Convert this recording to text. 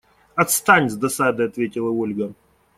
Отстань! – с досадой ответила Ольга.